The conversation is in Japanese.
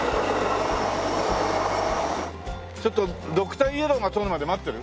ちょっとドクターイエローが通るまで待ってる？